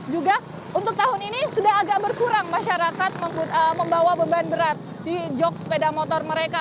juga untuk tahun ini sudah agak berkurang masyarakat membawa beban berat di jog sepeda motor mereka